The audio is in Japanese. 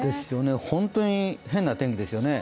本当に変な天気ですよね。